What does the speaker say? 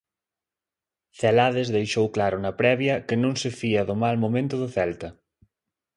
Celades deixou claro na previa que non se fía do mal momento do Celta.